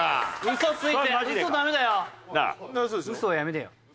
嘘はやめてよ。